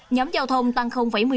nhóm giao thông tăng một mươi một